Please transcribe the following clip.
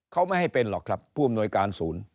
เขาไม่ให้เป็นหรอกครับผู้อำนวยการศูนย์